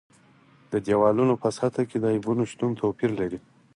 د دېوالونو په سطحو کې د عیبونو شتون توپیر لري.